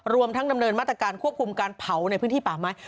รวมทั้งดำเนินมาตรการควบคุมการเผาในพื้นที่ป่าไม้